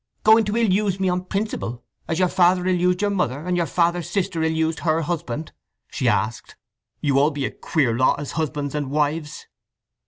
"Going to ill use me on principle, as your father ill used your mother, and your father's sister ill used her husband?" she asked. "All you be a queer lot as husbands and wives!"